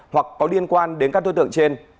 hoặc có liên quan đến các đối tượng trên